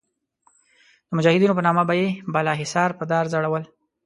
د مجاهدینو په نامه به یې بالاحصار په دار ځړول.